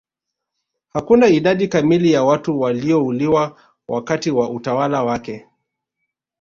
Hakuna idadi kamili ya watu waliouliwa wakati wa utawala wake